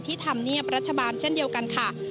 ธรรมเนียบรัฐบาลเช่นเดียวกันค่ะ